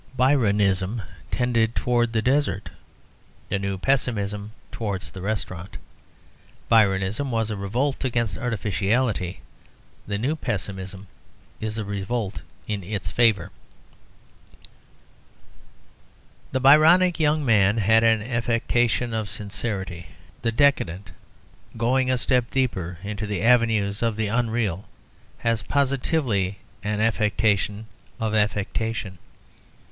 Byronism tended towards the desert; the new pessimism towards the restaurant. Byronism was a revolt against artificiality; the new pessimism is a revolt in its favour. The Byronic young man had an affectation of sincerity; the decadent, going a step deeper into the avenues of the unreal, has positively an affectation of affectation.